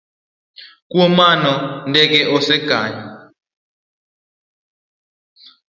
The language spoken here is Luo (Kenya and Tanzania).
Kuom mano, ndege osekonyo